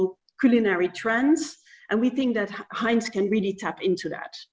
dan kami pikir heinz bisa menarik ke dalam hal ini